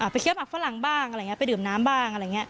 ไปเคี้ยวหมักฝรั่งบ้างไปดื่มน้ำบ้าง